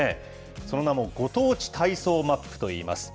その名もご当地体操マップといいます。